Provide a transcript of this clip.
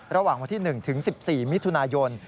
ระหว่างวันที่๑ถึง๑๔มิถุนายน